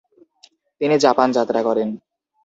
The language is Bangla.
তিনি জাপান যাত্রা করেন।